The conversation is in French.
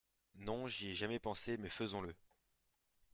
Non j'y ai jamais pensé, mais faisons-le.